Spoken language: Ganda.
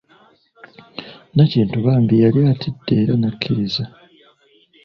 Nakintu bambi yali atidde era n'akkiriza.